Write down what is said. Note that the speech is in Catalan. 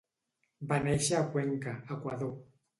Va néixer a Cuenca, Equador.